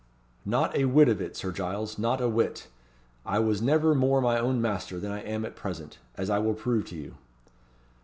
"Not a whit of it, Sir Giles not a whit. I never was more my own master than I am at present, as I will prove to you."